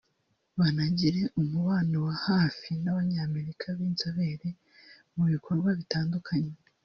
banagirane umubano wa hafi n’Abanyamerika b’inzobere mu bikorwa bitandukanye